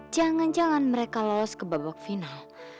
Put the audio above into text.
jangan jangan mereka lolos ke babak final